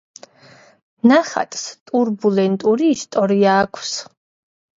ნახატს ტურბულენტური ისტორია აქვს.